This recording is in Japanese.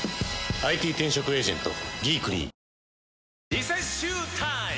リセッシュータイム！